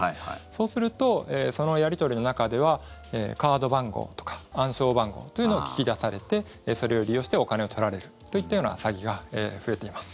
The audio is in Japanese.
そうするとそのやり取りの中ではカード番号とか暗証番号というのを聞き出されてそれを利用してお金を取られるといったような詐欺が増えています。